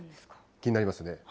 気になりますね。